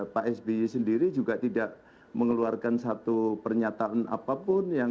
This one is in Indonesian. pak sby sendiri juga tidak mengeluarkan satu pernyataan apapun yang